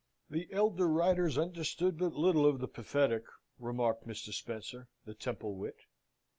"The elder writers understood but little of the pathetic," remarked Mr. Spencer, the Temple wit.